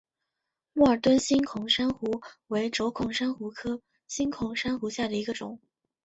默尔敦星孔珊瑚为轴孔珊瑚科星孔珊瑚下的一个种。